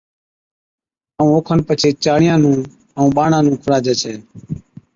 ائُون اوکن پڇي چاڙِيان نُون ائُون ٻاڙان نُون کُڙاجَي ڇَي